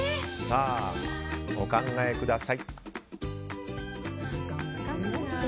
お考えください。